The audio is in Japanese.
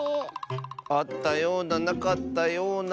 あったようななかったような。